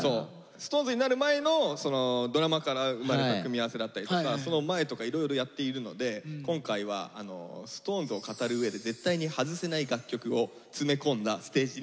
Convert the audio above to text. ＳｉｘＴＯＮＥＳになる前のドラマから生まれた組み合わせだったりとかその前とかいろいろやっているので今回はＳｉｘＴＯＮＥＳを語るうえで絶対に外せない楽曲を詰め込んだステージになってます。